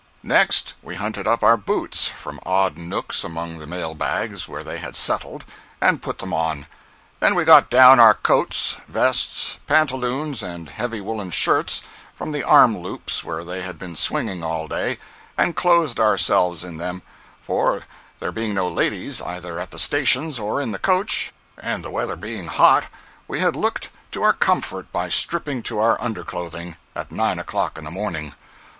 Next we hunted up our boots from odd nooks among the mail bags where they had settled, and put them on. Then we got down our coats, vests, pantaloons and heavy woolen shirts, from the arm loops where they had been swinging all day, and clothed ourselves in them—for, there being no ladies either at the stations or in the coach, and the weather being hot, we had looked to our comfort by stripping to our underclothing, at nine o'clock in the morning.